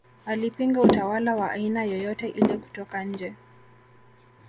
Alipinga utawala wa aina yoyote ile kutoka nje